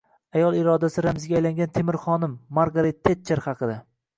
Ayol irodasi ramziga aylangan “Temir xonim” — Margaret Tetcher haqida